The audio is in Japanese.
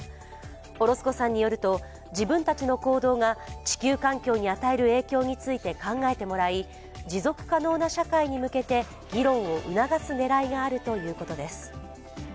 オロスコさんによると、自分たちの行動が地球環境に与える影響について考えてもらい持続可能な社会に向けて議論を促す狙いがあるということです。